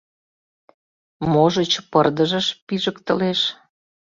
Можыч, пырдыжыш пижыктылеш?